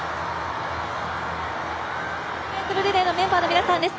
リレーのメンバーの皆さんです